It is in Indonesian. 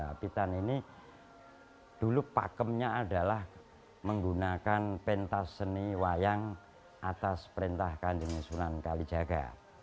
apitan ini dulu pakemnya adalah menggunakan pentas seni wayang atas perintah kanjeng sunan kalijaga